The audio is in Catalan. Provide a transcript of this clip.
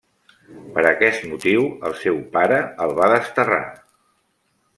Per aquest motiu el seu pare el va desterrar.